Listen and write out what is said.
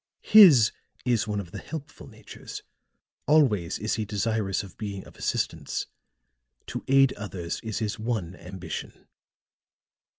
His is one of the helpful natures; always is he desirous of being of assistance. To aid others is his one ambition."